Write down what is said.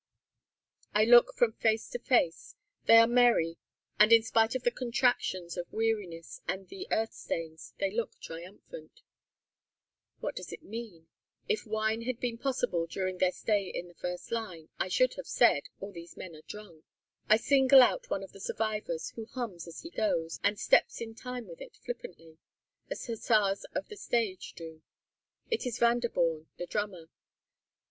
I look from face to face. They are merry, and in spite of the contractions of weariness, and the earth stains, they look triumphant. What does it mean? If wine had been possible during their stay in the first line, I should have said, "All these men are drunk." I single out one of the survivors, who hums as he goes, and steps in time with it flippantly, as hussars of the stage do. It is Vanderborn, the drummer.